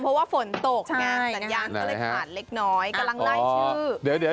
เพราะว่าฝนตกสัญญาณก็เล็กเล็กน้อยกำลังได้ชื่อ